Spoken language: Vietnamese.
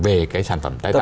về cái sản phẩm tái tạo